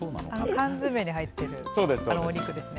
缶詰に入っているあのお肉ですね。